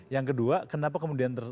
yang kedua kenapa kemudian